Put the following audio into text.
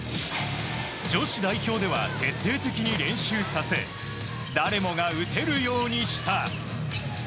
女子代表では徹底的に練習させ誰もが打てるようにした。